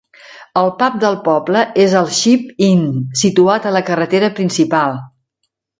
El pub del poble és el Ship Inn, situat a la carretera principal.